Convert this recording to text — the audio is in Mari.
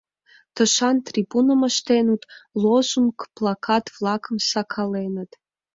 Тышан трибуным ыштеныт, лозунг, плакат-влакым сакаленыт.